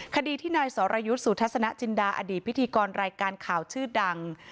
คดีที่นายสรยุทธ์สุทัศนจินดาอดีตพิธีกรรายการข่าวชื่อดัง